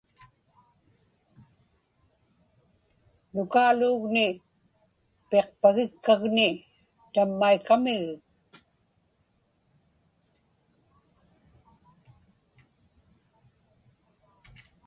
Nukaaluugni piqpagikkagni tammaikamigik.